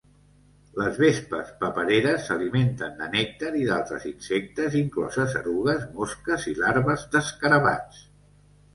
Les vespes papereres s'alimenten de nèctar i d'altres insectes, incloses erugues, mosques i larves d'escarabats.